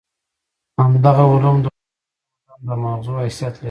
همدغه علوم د اوسني تمدن د ماغزو حیثیت لري.